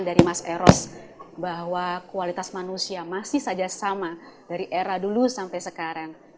dari mas eros bahwa kualitas manusia masih saja sama dari era dulu sampai sekarang